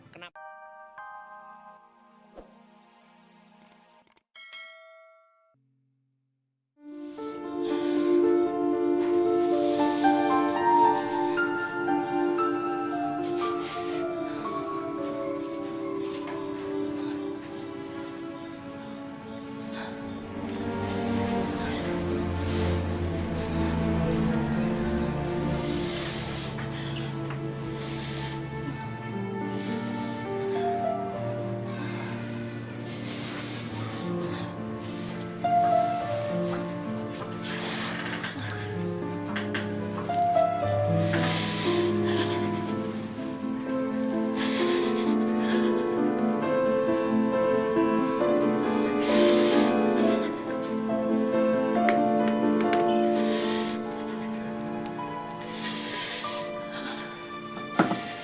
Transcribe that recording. terus kalau bapak tau bapak salah